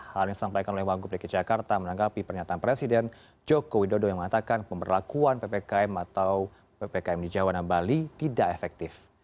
hal ini disampaikan oleh wagub dki jakarta menanggapi pernyataan presiden joko widodo yang mengatakan pemberlakuan ppkm atau ppkm di jawa dan bali tidak efektif